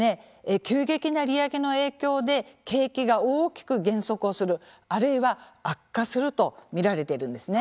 急激な利上げの影響で景気が大きく減速をするあるいは悪化すると見られているんですね。